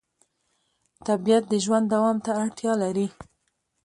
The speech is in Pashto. طبیعت د ژوند دوام ته اړتیا لري